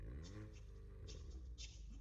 它们分布在群岛的所有岛屿上。